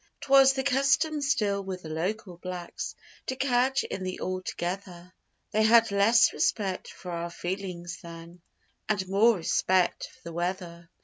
'Twas the custom still with the local blacks To cadge in the 'altogether' They had less respect for our feelings then, And more respect for the weather.